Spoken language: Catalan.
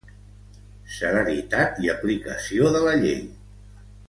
Celeritat i aplicació de la llei.